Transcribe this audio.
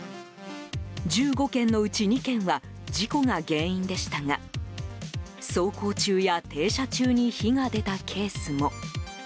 １５件のうち２件は事故が原因でしたが走行中や停車中に火が出たケースも。